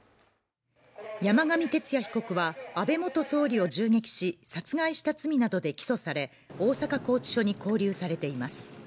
山上徹也被告は、安倍元総理を銃撃し、殺害した罪などで起訴され、大阪拘置所に勾留されています。